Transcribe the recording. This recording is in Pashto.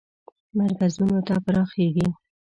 مرکزونو ته پراخیږي.